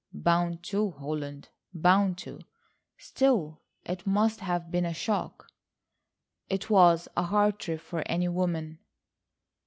"Bound to, Holland, bound to. Still it must have been a shock." "It was a hard trip for any woman."